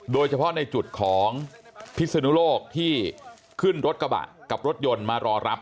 โดยเฉพาะในจุดของพิศนุโลกที่ขึ้นรถกระบะกับรถยนต์มารอรับ